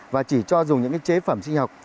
và chỉ cho dùng những chế phẩm sinh học